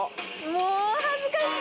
もう恥ずかしい！